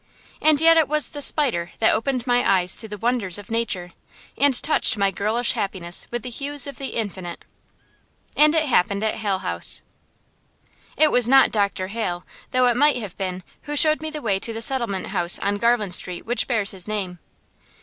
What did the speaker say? And yet it was the spider that opened my eyes to the wonders of nature, and touched my girlish happiness with the hues of the infinite. And it happened at Hale House. It was not Dr. Hale, though it might have been, who showed me the way to the settlement house on Garland Street which bears his name.